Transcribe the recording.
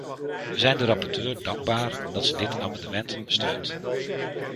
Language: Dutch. We zijn de rapporteur dankbaar dat ze dit amendement steunt.